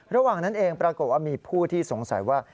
ระหว่างนั้นเองปรากฏว่ามีผู้ที่สงสัยว่า